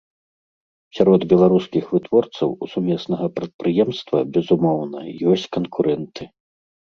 Сярод беларускіх вытворцаў у сумеснага прадпрыемства, безумоўна, ёсць канкурэнты.